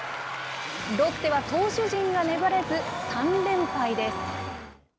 ロッテは投手陣が粘れず、３連敗です。